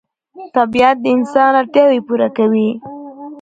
طبیعت د انسان اړتیاوې پوره کوي